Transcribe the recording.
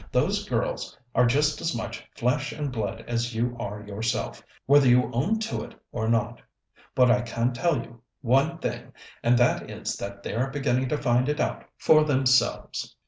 "Those girls are just as much flesh and blood as you are yourself, whether you own to it or not. But I can tell you one thing, and that is that they're beginning to find it out for themselves."